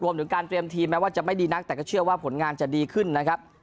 รวมถึงการเตรียมทีมแม้ว่าจะไม่ดีนักแต่ก็เชื่อว่าผลงานจะดีขึ้นนะครับ